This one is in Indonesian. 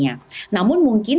biaya lainnya namun mungkin